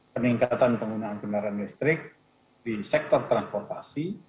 peningkatan penggunaan kendaraan listrik di sektor transportasi